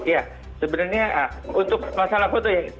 ya sebenarnya untuk masalah foto ya